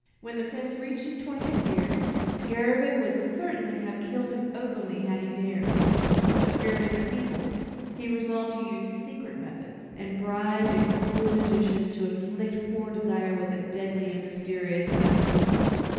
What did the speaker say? When the Prince reached his twentieth year, Garabin would certainly have killed him openly had he dared; but, fearing the people, he resolved to use secret methods, and bribed a cruel magician to afflict poor Desire with a deadly and mysterious malady.